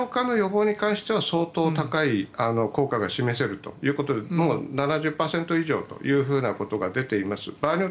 ただし、重症化の予防に関しては相当高い効果が示せるということで７０％以上ということが出ています。